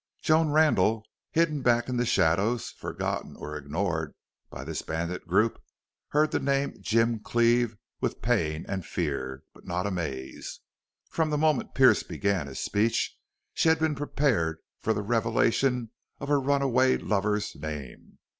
Joan Randle, hidden back in the shadows, forgotten or ignored by this bandit group, heard the name Jim Cleve with pain and fear, but not amaze. From the moment Pearce began his speech she had been prepared for the revelation of her runaway lover's name.